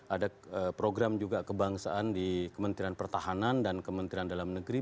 ada program juga kebangsaan di kementerian pertahanan dan kementerian dalam negeri